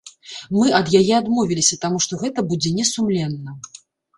Мы ад яе адмовіліся, таму што гэта будзе не сумленна.